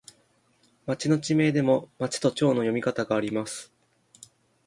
町の地名でも、まちとちょうの読み方があります。